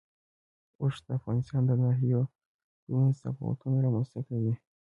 اوښ د افغانستان د ناحیو ترمنځ تفاوتونه رامنځ ته کوي.